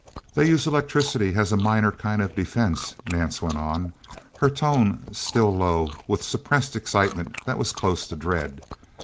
"They use electricity as a minor kind of defense," Nance went on, her tone still low with suppressed excitement that was close to dread.